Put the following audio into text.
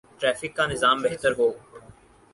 Traffic کا نظام بہتر ہو۔